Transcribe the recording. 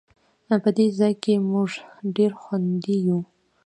په دې ځای کې مونږ ډېر خوندي یو